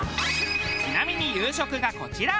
ちなみに夕食がこちら。